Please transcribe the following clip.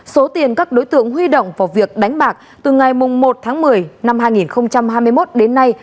số tiền các đối tượng huy động vào việc đánh bạc từ ngày một tháng một mươi năm hai nghìn hai mươi một đến nay